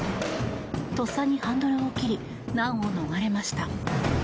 とっさにハンドルを切り難を逃れました。